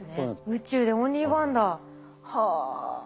宇宙でオンリーワンだ。はあ。